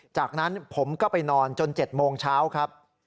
จากนั้นผมก็ไปนอนจน๗โมงเช้าครับ